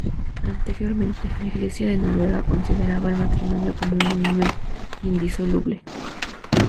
Anteriormente la Iglesia de Noruega consideraba el matrimonio como una unión indisoluble.